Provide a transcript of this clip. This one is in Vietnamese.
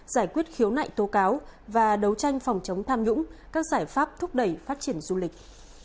giải quyết khiếu nại tố cáo và đấu tranh phòng chống tham nhũng các giải pháp thúc đẩy phát triển du lịch